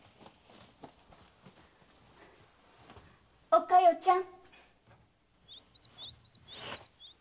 お加代ちゃん。